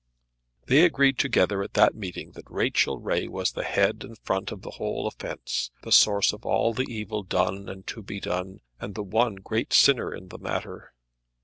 They agreed together at that meeting that Rachel Ray was the head and front of the whole offence, the source of all the evil done and to be done, and the one great sinner in the matter.